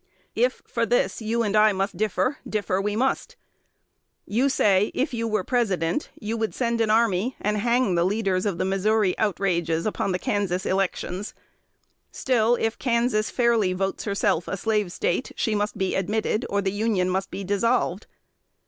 If for this you and I must differ, differ we must. You say, if you were President, you would send an army, and hang the leaders of the Missouri outrages upon the Kansas elections; still, if Kansas fairly votes herself a Slave State, she must be admitted, or the Union must be dissolved.